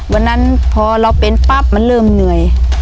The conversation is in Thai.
วันนั้นพอเราเป็นปั๊บมันเริ่มเหนื่อย